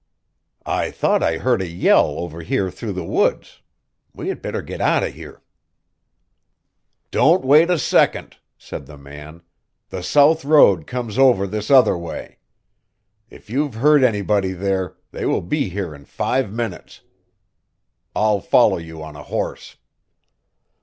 "I thought I heard a yell over here through the woods. We had better get out of here." "Don't wait a second," said the man. "The south road comes over this other way. If you've heard anybody there, they will be here in five minutes. I'll follow you on a horse."